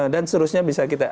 dan seterusnya bisa kita